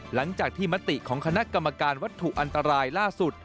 หลังจากที่มติของคณะกรรมการวัตถุอันตรายล่าสุด